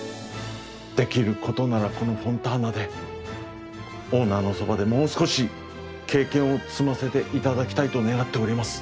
できることならこのフォンターナでオーナーのそばでもう少し経験を積ませていただきたいと願っております。